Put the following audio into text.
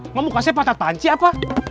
mau mukanya patah panci apa